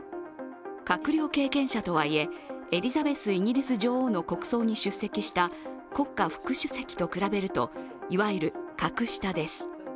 閣僚経験者とはいえ、エリザベスイギリス女王の国葬に出席した国歌副主席と比べると、いわゆる格下です。